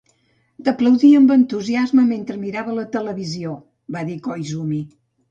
"T'aplaudia amb entusiasme mentre mirava la televisió", va dir Koizumi.